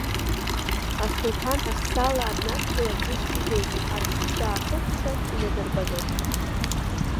Асулҭан ахсаала днадгылан ус иҳәеит, Аԥсны даахыкәшан инадырбаны…